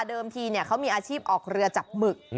ทีเขามีอาชีพออกเรือจับหมึก